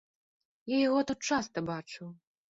Я яго тут часта бачыў.